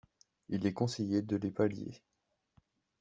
Il est conseillé de les pailler.